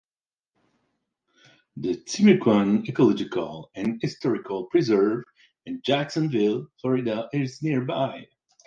The Timucuan Ecological and Historic Preserve, in Jacksonville, Florida is nearby.